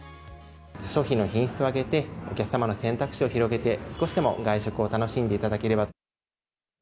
商品の品質を上げて、お客様の選択肢を広げて、少しでも外食を楽しんでいただければと。